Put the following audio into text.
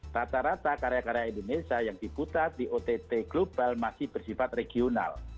rata rata karya karya indonesia yang diputar di ott global masih bersifat regional